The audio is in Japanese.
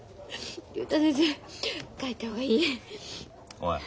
おい。